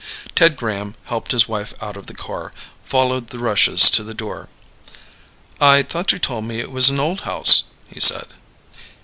Ted Graham helped his wife out of the car, followed the Rushes to the door. "I thought you told me it was an old house," he said.